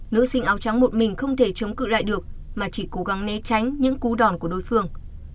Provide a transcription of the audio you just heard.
nữ sinh áo trắng một mình không thể chống cự lại được mà chỉ cố gắng né tránh những cú đòn của đối phương